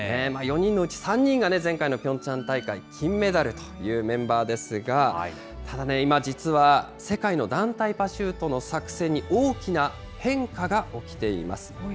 ４人のうち３人が前回のピョンチャン大会金メダルというメンバーですが、ただね、今、実は世界の団体パシュートの作戦に大きな変化が起きています。